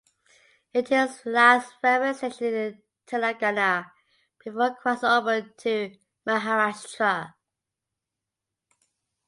It is the last railway station in Telangana before crossing over to Maharashtra.